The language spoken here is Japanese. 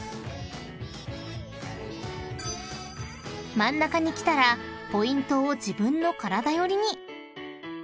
［真ん中に来たらポイントを自分の体寄りに］